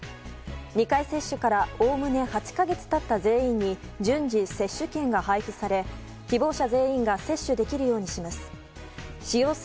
２回接種からおおむね８か月経った全員に順次、接種券が配布され希望者全員が接種できるようにします。